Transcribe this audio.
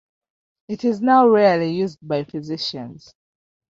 It is now rarely used by physicians.